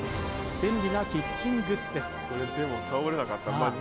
便利なキッチングッズですさあ